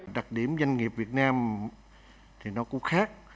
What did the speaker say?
đặc điểm doanh nghiệp việt nam thì nó cũng khác